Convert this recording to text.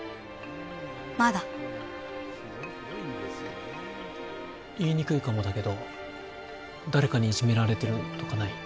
まだ言いにくいかもだけど誰かにいじめられてるとかない？